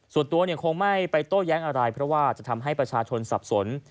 ส่วนตัวคงไม่ไปโต้แย้งอะไรเพราะว่าจะทำให้ประชาชนสับสน